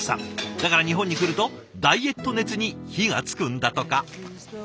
だから日本に来るとダイエット熱に火がつくんだとか。